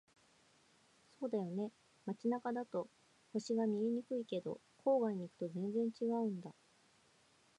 そうだよね。街中だと星が見えにくいけど、郊外に行くと全然違うんだ。